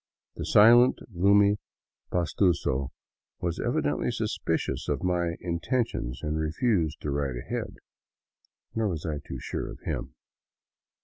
The silent, gloomy pastuso was evidently suspicious of my intentions and refused to ride ahead. Nor was I too sure of him.